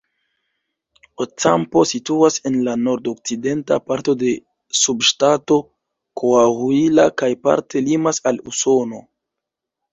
Ocampo situas en la nord-okcidenta parto de subŝtato Coahuila kaj parte limas al Usono.